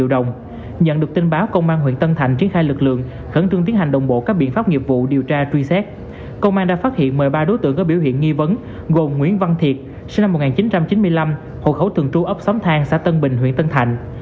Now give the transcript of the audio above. đoàn tấn thiệp sinh năm một nghìn chín trăm chín mươi năm hộ khẩu thường tru ấp xóm thang xã tân bình huyện tân thạnh